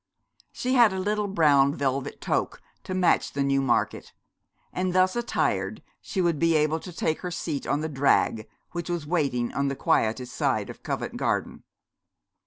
She had a little brown velvet toque to match the Newmarket, and thus attired she would be able to take her seat on the drag which was waiting on the quietest side of Covent Garden.